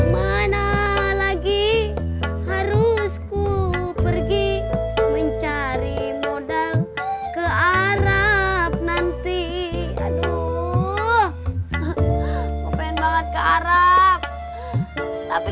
mana lagi harusku pergi mencari modal ke arab nanti aduh pengen banget ke arab tapi